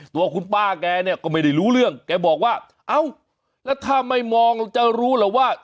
ตัวคุณป้าแกเนี่ยก็ไม่ได้รู้เรื่องแกบอกว่าเอ้าแล้วถ้าไม่มองจะรู้เหรอว่า